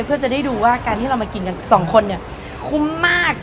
เพื่อจะได้ดูว่าการที่เรามากินกันสองคนเนี่ยคุ้มมาก